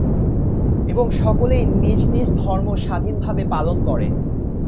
এবং সকলেই নিজ নিজ ধর্ম স্বাধীন ভাবে পালনকরে।